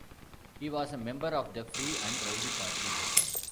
He was a member of the Free and Rowdy Party.